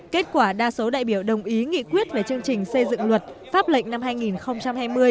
kết quả đa số đại biểu đồng ý nghị quyết về chương trình xây dựng luật pháp lệnh năm hai nghìn hai mươi